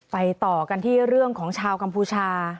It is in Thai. ต่อกันที่เรื่องของชาวกัมพูชา